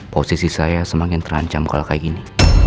posisi saya semakin terancam kalau kayak gini